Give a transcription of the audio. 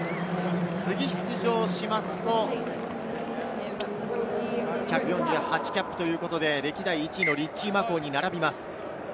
次、出場しますと、１４８キャップということで、歴代１位のリッチー・マコウに並びます。